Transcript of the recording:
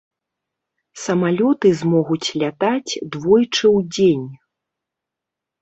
Самалёты змогуць лятаць двойчы ў дзень.